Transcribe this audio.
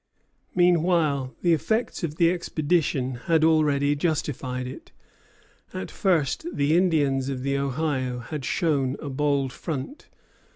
Meanwhile the effects of the expedition had already justified it. At first the Indians of the Ohio had shown a bold front.